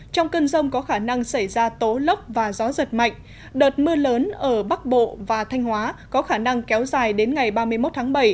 trong cơn rông có khả năng xảy ra tố lốc và gió giật mạnh đợt mưa lớn ở bắc bộ và thanh hóa có khả năng kéo dài đến ngày ba mươi một tháng bảy